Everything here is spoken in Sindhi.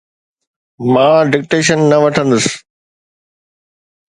مان ڊڪٽيشن نه وٺندس.